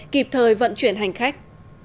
kịp thời vận chuyển hành khách